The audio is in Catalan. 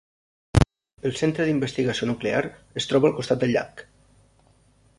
El centre d'investigació nuclear es troba al costat del llac.